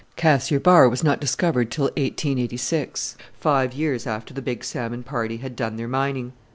Cassiar Bar was not discovered till 1886, five years after the Big Salmon party had done their mining.